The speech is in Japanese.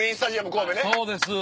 そうです。